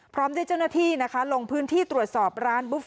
พร้อมด้วยเจ้าหน้าที่นะคะลงพื้นที่ตรวจสอบร้านบุฟฟ